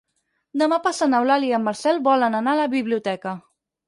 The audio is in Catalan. Demà passat n'Eulàlia i en Marcel volen anar a la biblioteca.